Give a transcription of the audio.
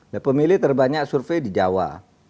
nah pemilih terbanyak survei di jawa